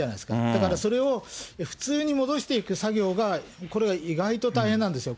だから、それを普通に戻していく作業が、これが意外と大変なんですよ。